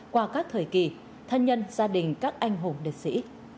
qua các thời kỳ thân nhân gia đình các anh hùng liệt sĩ